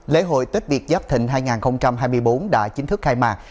lễ hội tết việt giáp thịnh hai nghìn hai mươi bốn đã chính thức khai mạc